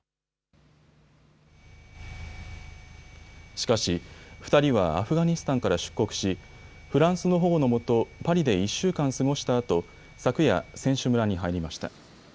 しかし２人はアフガニスタンから出国しフランスの保護の下、パリで１週間過ごしたあと昨夜、選手村に入りました。